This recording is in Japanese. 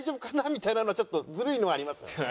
みたいなのはちょっとずるいのはありますよね。